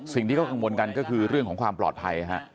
สิ่งที่เขากังวลกันก็คือเรื่องของความปลอดภัย